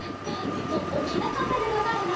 ねこおきなかったでござるな。